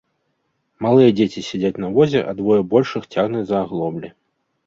Малыя дзеці сядзяць на возе, а двое большых цягнуць за аглоблі.